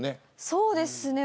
そうですね。